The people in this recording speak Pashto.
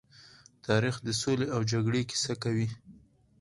تاریخ د سولې او جګړې کيسه کوي.